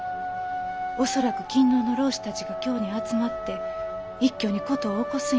恐らく勤皇の浪士たちが京に集まって一挙に事を起こすんやね。